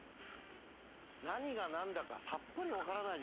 何が何だかさっぱり分からないですよね？